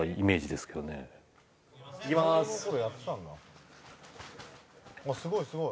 塙：すごい、すごい。